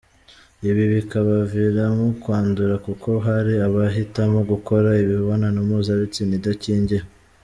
Ibi bikabaviramo kwandura kuko hari abahitamo gukora imibonano mpuzabitsina idakingiye.